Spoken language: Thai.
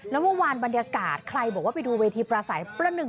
แล้วเมื่อวานบรรยากาศใครบอกว่าไปดูเวทีปราศัยประหนึ่ง